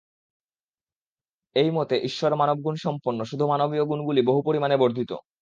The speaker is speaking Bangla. এই মতে ঈশ্বর মানবগুণসম্পন্ন, শুধু মানবীয় গুণগুলি বহু পরিমাণে বর্ধিত।